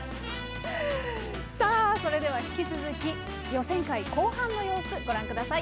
さあ、それでは引き続き予選会後半の様子、ご覧ください。